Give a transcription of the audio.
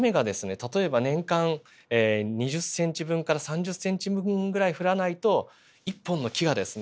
例えば年間２０センチ分から３０センチ分ぐらい降らないと１本の木がですね